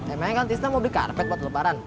emangnya kan tista mau beli karpet buat lebaran